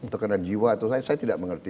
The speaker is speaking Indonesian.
tekanan jiwa atau saya tidak mengerti